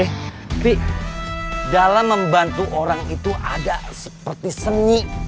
tapi dalam membantu orang itu ada seperti seni